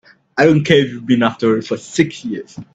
I don't care if you've been after it for six years!